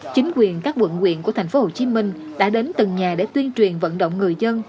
chính quyền các quận quyện của tp hcm đã đến từng nhà để tuyên truyền vận động người dân